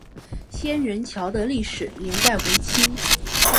仙人桥的历史年代为清代。